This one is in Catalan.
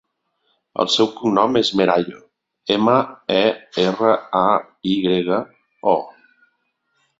El seu cognom és Merayo: ema, e, erra, a, i grega, o.